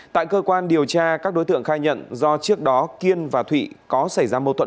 tại cơ quan điều tra các đối tượng khai nhận do trước đó kiên và thụy có xảy ra mâu thuẫn